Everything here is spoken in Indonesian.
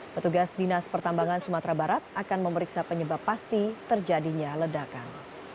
petugas dinas pertambangan sumatera barat akan memeriksa penyebab pasti terjadinya ledakan